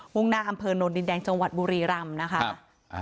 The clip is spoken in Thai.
มุ่งหน้าคำเพลินโน้นดินแดงจังหวัดบุรีรำนะครับ